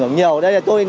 rất nhiều cuộc sống